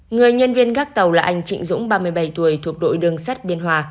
người nhân viên gác tàu là anh trịnh dũng ba mươi bảy tuổi thuộc đội đường sắt biên hòa